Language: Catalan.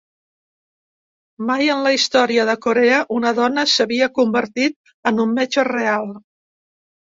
Mai en la història de Corea una dona s'havia convertit en un metge real.